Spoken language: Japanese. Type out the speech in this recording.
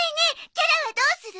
キャラはどうする？